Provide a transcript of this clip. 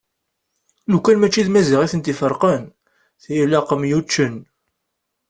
Lukan mačči d Maziɣ iten-iferqen tilaq myuččen.